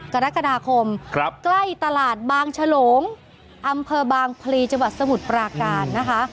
กรกฎาคมใกล้ตลาดบางฉลงอำเภอบางพลีจังหวัดสมุทรปราการนะคะ